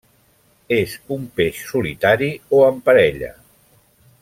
És un peix solitari o en parella.